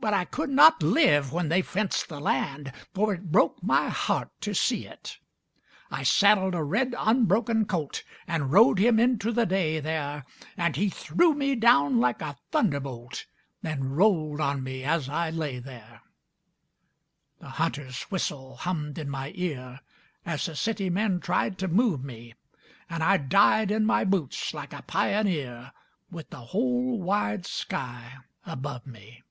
But I could not live when they fenced the land, For it broke my heart to see it. I saddled a red, unbroken colt And rode him into the day there; And he threw me down like a thunderbolt And rolled on my as I lay there. The hunter's whistle hummed in my ear As the city men tried to move me, And I died in my boots like a pioneer With the whole wide sky above me.